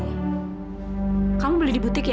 saat zaitun pengen ringan